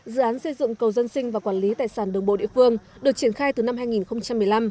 dự án xây dựng cầu dân sinh và quản lý tài sản đường bộ địa phương được triển khai từ năm hai nghìn một mươi năm